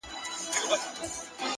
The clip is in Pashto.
مثبت بدلون له دننه پیلېږي